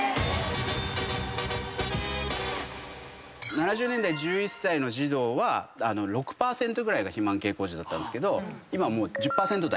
７０年代１１歳の児童は６％ぐらい肥満傾向児だったんですけど今もう１０％台。